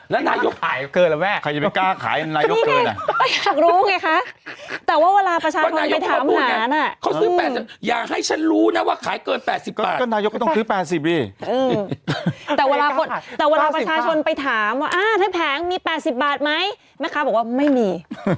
แต่วะลาเป็นคนไปถามว่าถ้าแผงมี๘๐บาทไหมแม่ครับบอกว่าไม่มี